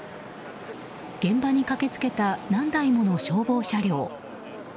現場に駆け付けた何台もの消防車両。